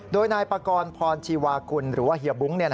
โดยนายปากรพรชีวากุลหรือว่าเฮียบุ้ง